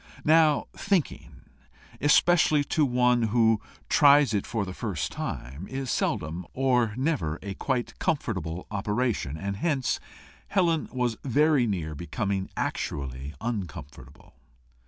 Now thinking, especially to one who tries it for the first time, is seldom, or never, a quite comfortable operation, and hence Helen was very near becoming actually uncomfortable.